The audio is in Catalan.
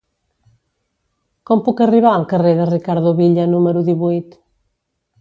Com puc arribar al carrer de Ricardo Villa número divuit?